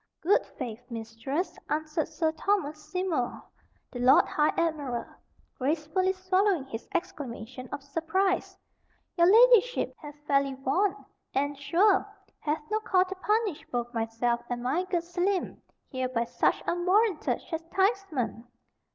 "Good faith, Mistress," answered Sir Thomas Seymour, the Lord High Admiral, gracefully swallowing his exclamation of surprise, "your ladyship hath fairly won, and, sure, hath no call to punish both myself and my good Selim here by such unwarranted chastisement.